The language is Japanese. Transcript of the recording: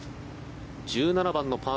１７番のパー